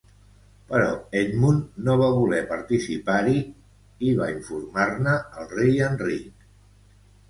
Però Edmund no va voler participar-hi i va informar-ne al rei Enric.